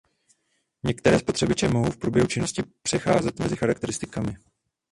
Některé spotřebiče mohou v průběhu činnosti přecházet mezi charakteristikami.